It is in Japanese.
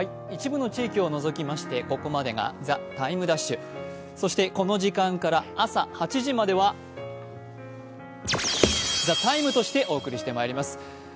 一部の地域を除きましてここまでが「ＴＨＥＴＩＭＥ’」そしてこの時間から朝８時までは「ＴＨＥＴＩＭＥ，」としてお送りしてまいります。